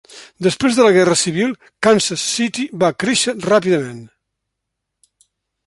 Després de la Guerra Civil Kansas City va créixer ràpidament.